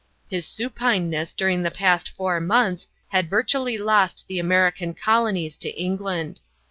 His supineness during the past four months had virtually lost the American colonies to England.